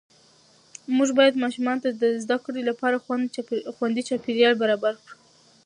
موږ باید ماشومانو ته د زده کړې لپاره خوندي چاپېریال برابر کړو